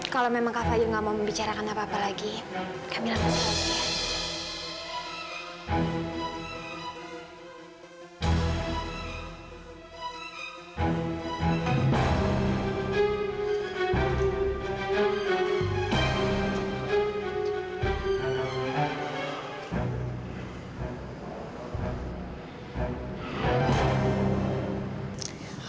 kalau memang kak fahil gak mau membicarakan apa apa lagi kamila akan selamat